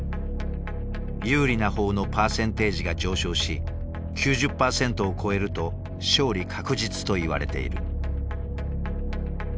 有利な方のパーセンテージが上昇し９０％を超えると勝利確実といわれている。